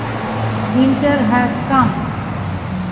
Winter has come.